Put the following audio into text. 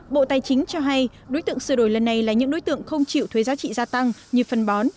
bộ tài chính cho hay đối tượng sửa đổi lần này là những đối tượng không chịu thuế giá trị gia tăng như phân bón